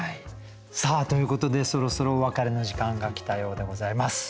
ということでそろそろお別れの時間が来たようでございます。